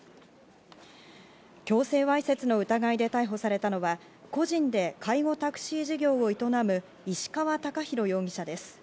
強制わいせつの疑いで逮捕されたのは、個人で介護タクシー事業を営む石川崇弘容疑者です。